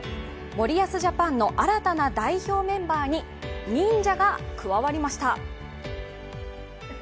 森保ジャパンの新たな代表メンバーに忍者が加わりました。